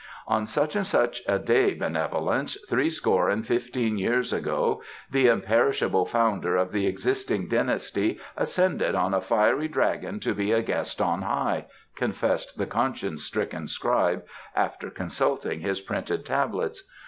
"On such and such a day, benevolence, threescore and fifteen years ago, the imperishable founder of the existing dynasty ascended on a fiery dragon to be a guest on high," confessed the conscience stricken scribe, after consulting his printed tablets.